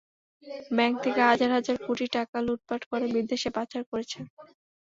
Bank থেকে হাজার হাজার কোটি টাকা লুটপাট করে বিদেশে পাচার করেছে।